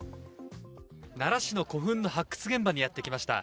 奈良市の古墳の発掘現場にやってきました。